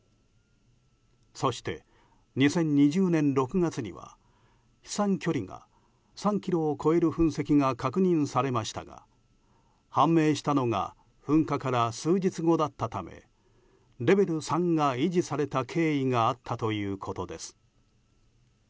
そして２０２０年６月には飛散距離が３ｋｍを超える噴石が確認されましたが判明したのが噴火から数日後だったためレベル３が維持された経緯があったということです。